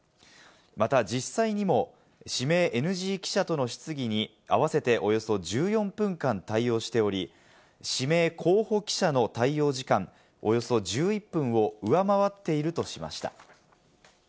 また、実際にも指名ＮＧ記者との質疑に合わせておよそ１４分間対応しており、指名候補記者の対応時間およそ１１分を上回っているとしました。